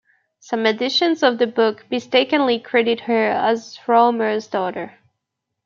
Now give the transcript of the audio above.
Some editions of the book mistakenly credit her as Rohmer's daughter.